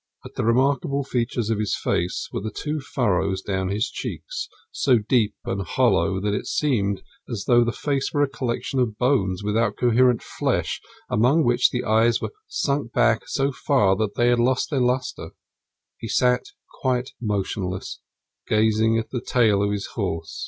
But the remarkable features of his face were the two furrows down his cheeks, so deep and hollow that it seemed as though that face were a collection of bones without coherent flesh, among which the eyes were sunk back so far that they had lost their lustre. He sat quite motionless, gazing at the tail of his horse.